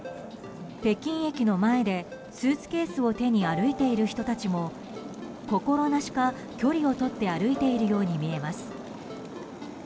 北京駅の前でスーツケースを手に歩いている人たちも心なしか距離をとって歩いているように見えます。